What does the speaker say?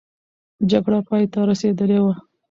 جګړه پای ته رسېدلې وه.